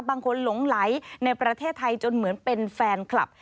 หลงไหลในประเทศไทยจนเหมือนเป็นแฟนคลับ